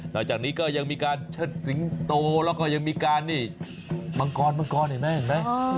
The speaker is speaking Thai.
หน่อยจากนี้ยังมีการเชิดสิงโตแล้วก็มีการมังกรใช่ไหม